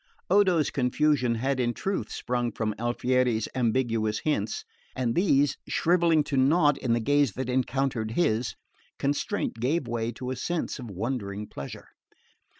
Odo's confusion had in truth sprung from Alfieri's ambiguous hints; and these shrivelling to nought in the gaze that encountered his, constraint gave way to a sense of wondering pleasure.